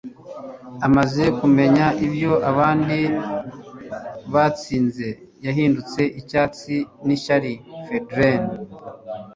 amaze kumenya ibyo abandi batsinze, yahindutse icyatsi nishyari. (feudrenais